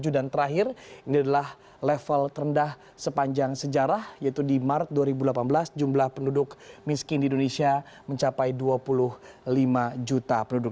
dan terakhir ini adalah level terendah sepanjang sejarah yaitu di maret dua ribu delapan belas jumlah penduduk miskin di indonesia mencapai dua puluh lima juta penduduk